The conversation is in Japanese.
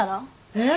えっ？